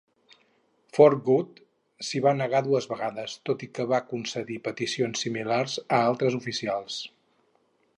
Fourgeoud s'hi va negar dues vegades, tot i que va concedir peticions similars a altres oficials.